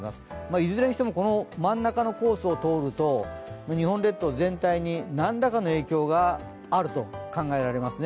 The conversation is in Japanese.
いずれにしても、真ん中のコースを通ると日本列島全体に何らかの影響があると考えられますね。